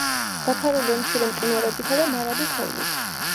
დაფარულია მცირე მყინვარებითა და მარადი თოვლით.